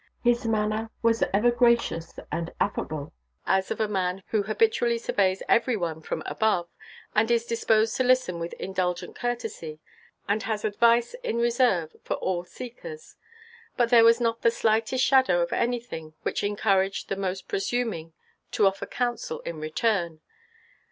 His manner was ever gracious and affable, as of a man who habitually surveys every one from above, and is disposed to listen with indulgent courtesy, and has advice in reserve for all seekers; but there was not the slightest shadow of anything which encouraged the most presuming to offer counsel in return.